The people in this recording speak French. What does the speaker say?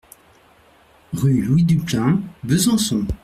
Rue Louis Duplain, Besançon